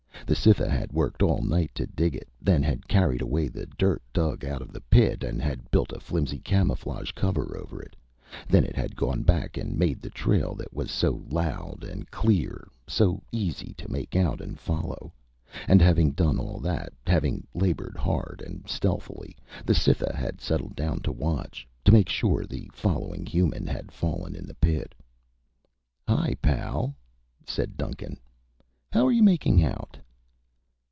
The Cytha had worked all night to dig it, then had carried away the dirt dug out of the pit and had built a flimsy camouflage cover over it. Then it had gone back and made the trail that was so loud and clear, so easy to make out and follow. And having done all that, having labored hard and stealthily, the Cytha had settled down to watch, to make sure the following human had fallen in the pit. "Hi, pal," said Duncan. "How are you making out?"